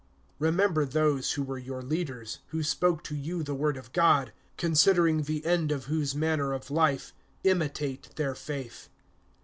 (7)Remember those who were your leaders, who spoke to you the word of God; considering the end of whose manner of life, imitate their faith.